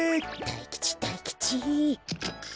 大吉大吉。